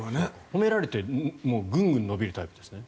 褒められてぐんぐん伸びるタイプですね。